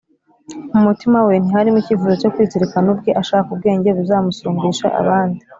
mu mutima we ntiharimo icyifuzo cyo kwizirikana ubwe ashaka ubwenge buzamusumbisha abandi.